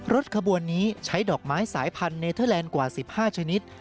รถขบวนนี้ใช้ดอกไม้สายพันธเนเทอร์แลนด์กว่า๑๕ชนิด